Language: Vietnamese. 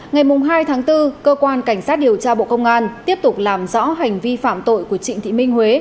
ngày hai tháng bốn cơ quan cảnh sát điều tra bộ công an tiếp tục làm rõ hành vi phạm tội của trịnh thị minh huế